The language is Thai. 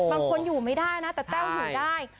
บางคนอยู่ไม่ได้นะแต่แต้วอยู่ได้